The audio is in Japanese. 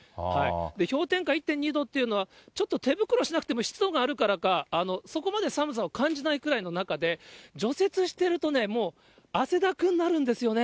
氷点下１．２度っていうのは、ちょっと手袋しなくても、湿度があるからか、そこまで寒さを感じないくらいの中で、除雪してると、もう汗だくになるんですよね。